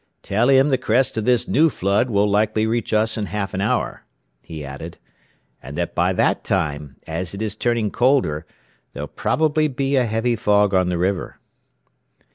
"Tell him the crest of this new flood will likely reach us in half an hour," he added; "and that by that time, as it is turning colder, there'll probably be a heavy fog on the river."